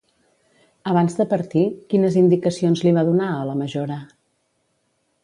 Abans de partir, quines indicacions li va donar a la majora?